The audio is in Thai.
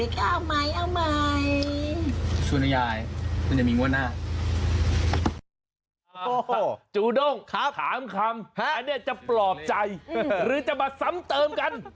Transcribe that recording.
จูด้งถามคำอันนี้จะปลอบใจหรือจะมาซ้ำเติมกัน